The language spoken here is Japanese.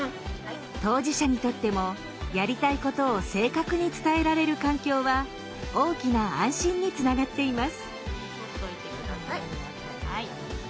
当事者にとってもやりたいことを正確に伝えられる環境は大きな安心につながっています。